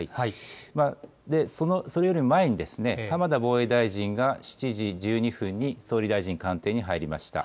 それよりも前に、浜田防衛大臣が、７時１２分に総理大臣官邸に入りました。